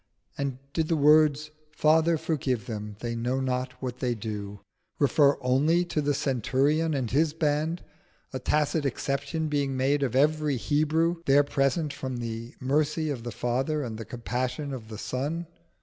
And did the words "Father, forgive them, they know not what they do," refer only to the centurion and his band, a tacit exception being made of every Hebrew there present from the mercy of the Father and the compassion of the Son?